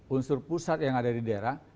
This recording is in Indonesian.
unsur pusat yang ada di daerah